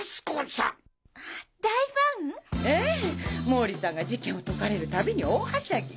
毛利さんが事件を解かれる度に大はしゃぎ！